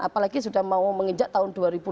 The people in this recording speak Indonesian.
apalagi sudah mau menginjak tahun dua ribu delapan belas